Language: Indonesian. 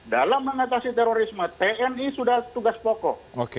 dalam mengatasi terorisme tni sudah tugas pokok